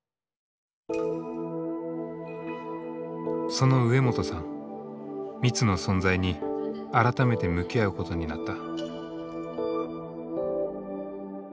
その植本さんミツの存在に改めて向き合うことになった。